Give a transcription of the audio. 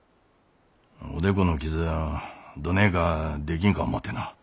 おでこの傷をどねえかできんか思うてな。